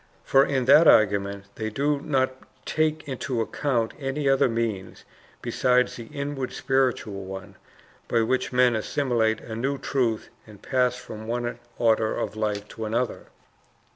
For in that argument they do not take into account any other means, besides the inward spiritual one, by which men assimilate a new truth and pass from one order of life to another.